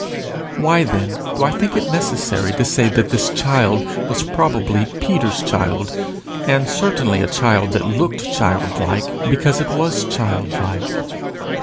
Why, then, do I think it necessary to say that this child was probably Peter's child, and certainly a child that looked childlike because it was childlike?